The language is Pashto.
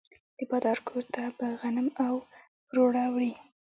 د بادار کور ته به غنم او پروړه وړي.